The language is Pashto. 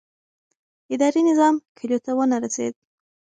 اداري نظام کلیو ته ونه رسېد.